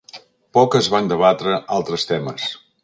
Poc es van debatre altres temes.